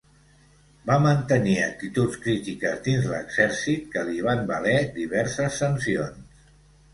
Va mantenir actituds crítiques dins l'exèrcit que li van valer diverses sancions.